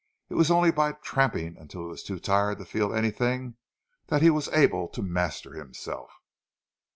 It was only by tramping until he was too tired to feel anything that he was able to master himself.